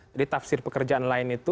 jadi tafsir pekerjaan lain itu